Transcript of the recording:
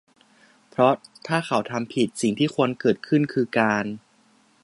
เพราะถ้าเขาทำผิด สิ่งที่ควรเกิดขึ้นคือการ